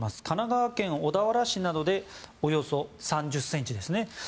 神奈川県小田原市でおよそ３０ｃｍです。